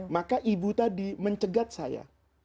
maka ibu tadi mencegat saya